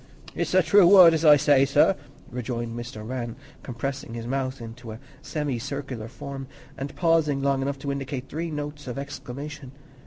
"It's a true word as I say, sir," rejoined Mr. Rann, compressing his mouth into a semicircular form and pausing long enough to indicate three notes of exclamation.